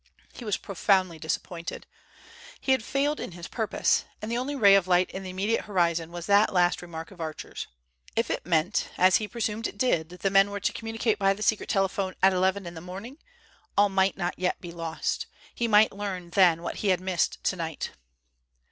He was profoundly disappointed. He had failed in his purpose, and the only ray of light in the immediate horizon was that last remark of Archer's. If it meant, as he presumed it did, that the men were to communicate by the secret telephone at eleven in the morning, all might not yet be lost. He might learn then what he had missed tonight.